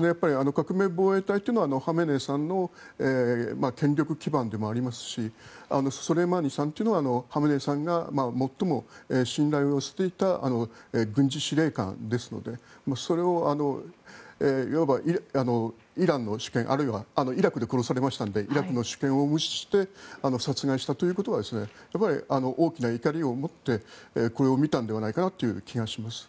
革命防衛隊というのはハメネイさんの権力基盤でもありますしソレイマニさんというのはハメネイさんが最も信頼をしていた軍事司令官ですのでそれをいわばイランの主権あるいはイラクで殺されましたのでイラクの主権を無視して殺害したということはやっぱり大きな怒りをもってこれを見たのではないかと思います。